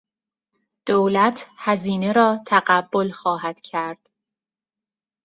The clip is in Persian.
دولت هزینه را تقبل خواهد کرد